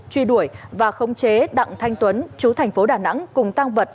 truy đuổi và khống chế đặng thanh tuấn chú thành phố đà nẵng cùng tăng vật